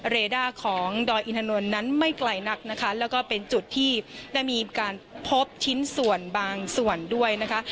เรด้าของดอยอินถนนนั้นไม่ไกลนักนะคะแล้วก็เป็นจุดที่ได้มีการพบชิ้นส่วนบางส่วนด้วยนะคะ